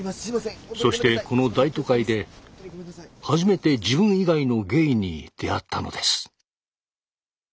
そしてこの大都会で初めて自分以外のゲイに出会ったのです。